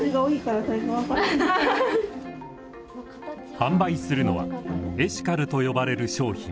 販売するのはエシカルと呼ばれる商品。